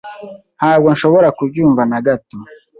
Ntabwo nshobora kubyumva na gato.